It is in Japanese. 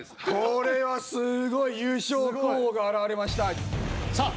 これはすごい優勝候補が現れましたさあ